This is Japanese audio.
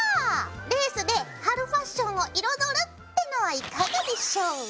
レースで春ファッションを彩るってのはいかがでしょう？